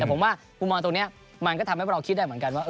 แต่ผมว่ามุมมองตรงนี้มันก็ทำให้พวกเราคิดได้เหมือนกันว่า